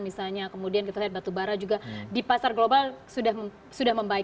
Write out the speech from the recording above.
misalnya kemudian kita lihat batubara juga di pasar global sudah membaik